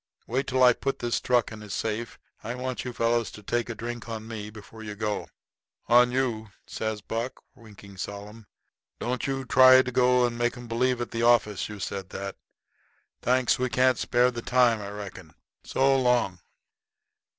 Wait till I put this truck in his safe. I want you fellows to take a drink on me before you go." "On you?" says Buck, winking solemn. "Don't you go and try to make 'em believe at the office you said that. Thanks. We can't spare the time, I reckon. So long."